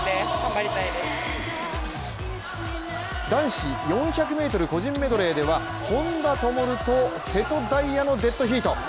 男子４００ｍ個人メドレーでは、本多灯と瀬戸大也のデッドヒート。